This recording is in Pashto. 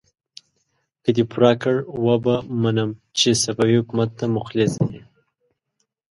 که دې پوره کړ، وبه منم چې صفوي حکومت ته مخلص يې!